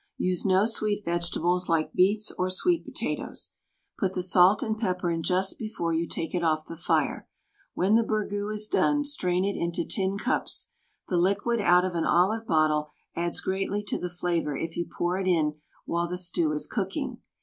Use no sweet vegetables like beets or sweet potatoes. Put the salt and pepper in just before you take it off the fire. When the burgoo is done, strain it into tin cups. The liquid out of an olive bottle adds greatly to the flavor if you pour it in while the stew is cooking.